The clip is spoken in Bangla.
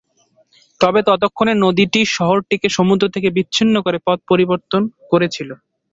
তবে ততক্ষণে নদীটি শহরটিকে সমুদ্র থেকে বিচ্ছিন্ন করে পথ পরিবর্তন করেছিল।